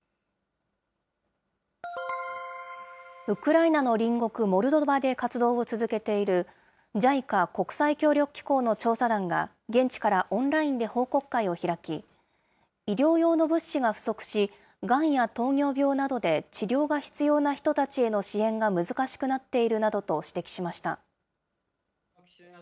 ウクライナの隣国、モルドバで活動を続けているＪＩＣＡ・国際協力機構の調査団が現地からオンラインで報告会を開き、医療用の物資が不足し、がんや糖尿病などで治療が必要な人たちへの支援が難しくなっているなどと指摘しました。